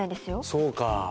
そうか。